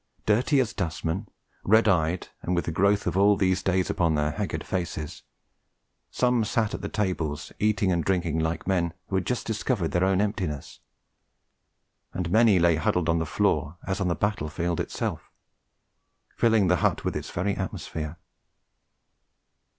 Dirty as dustmen, red eyed, and with the growth of all these days upon their haggard faces, some sat at the tables, eating and drinking like men who had just discovered their own emptiness; and many lay huddled on the floor, as on the battle field itself, filling the hut with its very atmosphere.